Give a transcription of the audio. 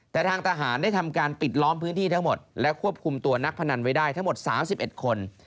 แต่ทางทหารได้ทำการปิดล้อมพื้นที่ทั้งหมดและควบคุมตัวนักพนันไว้ได้ทั้งหมด๓๑คน